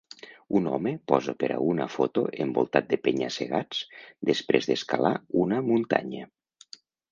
Un home posa per a una foto envoltat de penya-segats després d'escalar una muntanya.